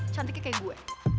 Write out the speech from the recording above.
cantiknya kayak gue